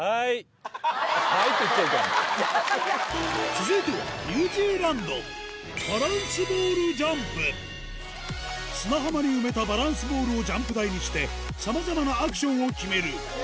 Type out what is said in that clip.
続いては砂浜に埋めたバランスボールをジャンプ台にしてさまざまなアクションを決める